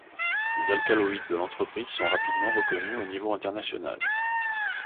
Les alcaloïdes de l'entreprise sont rapidement reconnus au niveau international.